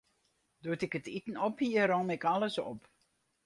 Doe't ik it iten op hie, romme ik alles op.